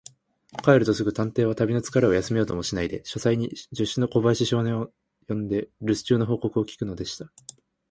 帰るとすぐ、探偵は旅のつかれを休めようともしないで、書斎に助手の小林少年を呼んで、るす中の報告を聞くのでした。